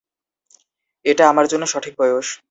এটা আমার জন্য সঠিক বয়স।